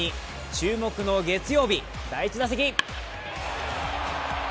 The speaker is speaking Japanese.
注目の月曜日、第１打席。